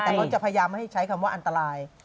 แต่เขาจะพยายามไม่ให้ใช้คำว่าอันตราย